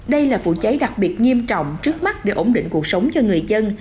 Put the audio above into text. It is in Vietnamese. đây là vụ cháy đặc biệt nghiêm trọng trước mắt để ổn định cuộc sống cho người dân